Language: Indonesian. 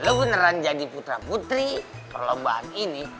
lo beneran jadi putra putri perlombaan ini